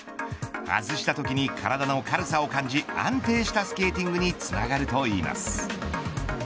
外したときに体の軽さを感じ安定したスケーティングにつながるといいます。